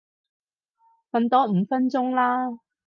瞓多五分鐘啦